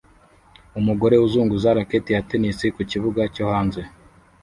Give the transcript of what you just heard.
Umugore uzunguza racket ya tennis ku kibuga cyo hanze